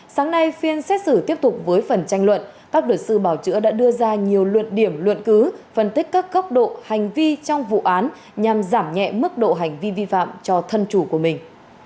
sáng nay phiên xét xử tiếp tục với phần tranh luận các luật sư bảo chữa đã đưa ra nhiều luật điểm luận cứ phân tích các góc độ hành vi trong vụ án nhằm giảm nhẹ mức độ hành vi vi phạm cho thân chủ của mình